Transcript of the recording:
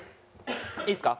いいっすか？